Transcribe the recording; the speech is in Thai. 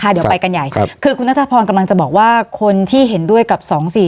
เดี๋ยวไปกันใหญ่คือคุณนัทพรกำลังจะบอกว่าคนที่เห็นด้วยกับ๒๔๔